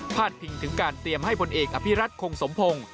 ดพิงถึงการเตรียมให้ผลเอกอภิรัตคงสมพงศ์